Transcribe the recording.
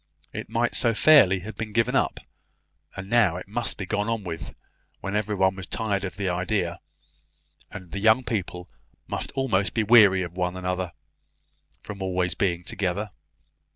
It might so fairly have been given up! and now it must be gone on with, when every one was tired of the idea, and the young people must almost be weary of one another, from being always together!